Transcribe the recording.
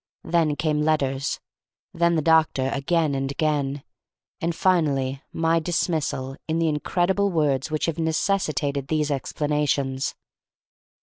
Then came letters, then the doctor again and again, and finally my dismissal in the incredible words which have necessitated these explanations.